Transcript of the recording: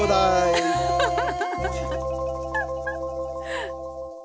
アハハハハ。